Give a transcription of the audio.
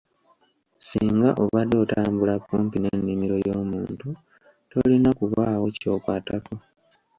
Singa obadde otambula kumpi n'ennimiro y'omuntu tolina kubaawo ky'okwatako.